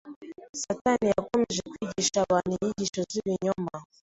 Satani yakomeje kwigisha abantu inyigisho z’ibinyoma